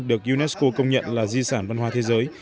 được unesco công nhận là di sản văn hóa thế giới